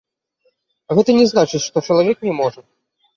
Гэта не значыць, што чалавек не можа.